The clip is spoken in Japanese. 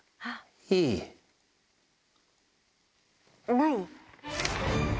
ない？